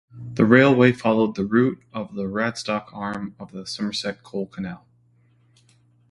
The railway followed the route of the Radstock arm of the Somerset Coal Canal.